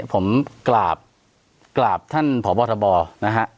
ผมกราบท่านผอบทบนะฮะ